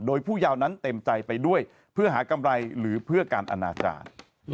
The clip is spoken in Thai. โดยผู้ยาวนั้นเต็มใจไปด้วยเพื่อหากำไรหรือเพื่อการอนาจารย์